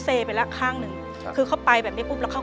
เปลี่ยนเพลงเพลงเก่งของคุณและข้ามผิดได้๑คำ